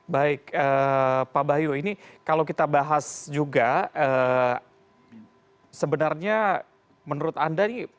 baik pak bayu ini kalau kita bahas juga sebenarnya menurut anda ini